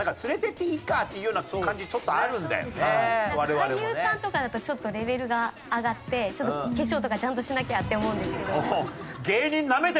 俳優さんとかだとちょっとレベルが上がって化粧とかちゃんとしなきゃって思うんですけど。